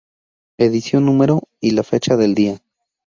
Edición número..." y la fecha del día.